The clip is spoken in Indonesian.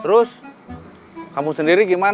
terus kamu sendiri gimana